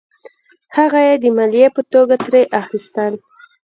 هغه یې د مالیې په توګه ترې اخیستل.